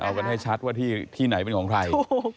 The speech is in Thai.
เอากันให้ชัดว่าที่ไหนเป็นของใคร